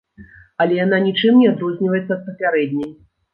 Але яна нічым не адрозніваецца ад папярэдняй.